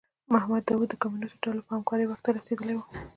محمد داوود د کمونیستو ډلو په همکارۍ واک ته رسېدلی و.